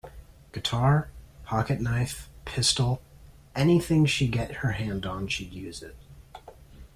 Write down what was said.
Guitar, pocket knife, pistol, anything she get her hand on she'd use it.